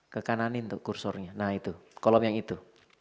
kekananin tuh kursornya nah itu kolom yang itu